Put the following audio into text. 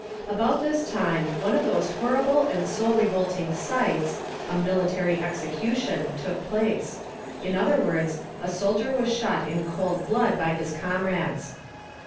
About this time one of those horrible and soul revolting sights, a "military execution," took place; in other words, a soldier was shot in cold blood by his comrades.